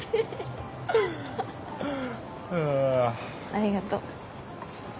ありがとう。